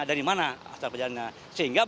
ada di mana asal perjalanannya